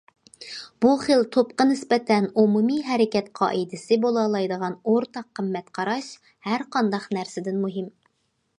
بۇ خىل توپقا نىسبەتەن ئومۇمى ھەرىكەت قائىدىسى بولالايدىغان ئورتاق قىممەت قاراش ھەرقانداق نەرسىدىن مۇھىم.